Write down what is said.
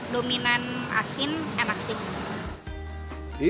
dominan asin enak sih